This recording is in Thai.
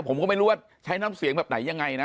ผมก็ไม่รู้ว่าใช้น้ำเสียงแบบไหนยังไงนะ